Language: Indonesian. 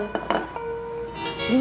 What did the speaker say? nah itu lu udah pesen